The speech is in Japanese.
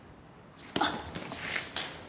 あっ。